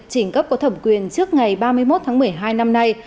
chỉnh cấp có thẩm quyền trước ngày ba mươi một tháng một mươi hai năm nay